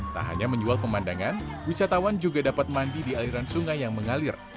tak hanya menjual pemandangan wisatawan juga dapat mandi di aliran sungai yang mengalir